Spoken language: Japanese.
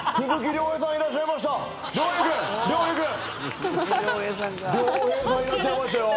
亮平さんいらっしゃいましたよ。